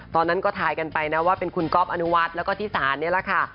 ตอนนั้นก็ทายกันไปนะว่าเป็นคุณก๊อฟอนุวัฒน์แล้วก็ที่ศาลนี่แหละค่ะ